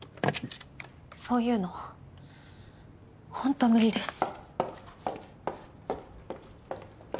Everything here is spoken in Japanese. そういうのホント無理です。